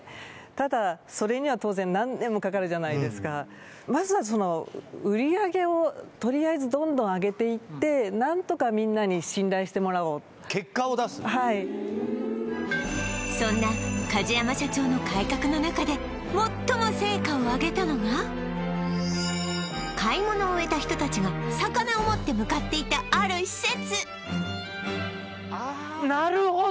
ただそれには当然何年もかかるじゃないですかまずはその売り上げをとりあえずどんどん上げていって何とかみんなに信頼してもらおうはいそんな梶山社長の改革の中で最も成果を上げたのが買い物を終えた人たちが魚を持って向かっていたある施設